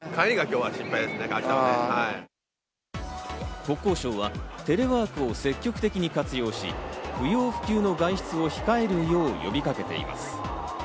国交省はテレワークを積極的に活用し、不要不急の外出を控えるよう呼びかけています。